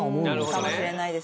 かもしれないですね。